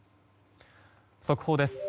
速報です。